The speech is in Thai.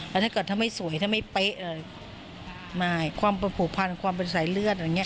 แล้วถ้าเกิดไม่สวยถ้าไม่เป๊ะความผูพันความเป็นสายเลือด